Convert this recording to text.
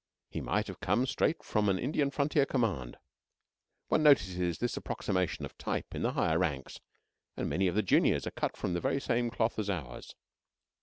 He might have come straight from an Indian frontier command. One notices this approximation of type in the higher ranks, and many of the juniors are cut out of the very same cloth as ours.